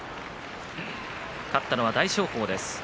勝ったのは大翔鵬です。